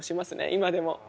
今でも。